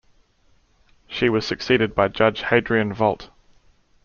She was succeeded by Judge Hadrian Volt.